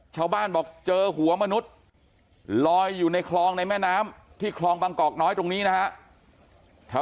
ชาวบ้านบอกเจอหัวมนุษย์ลอยอยู่ในคลองในแม่น้ำที่คลองบางกอกน้อยตรงนี้นะฮะ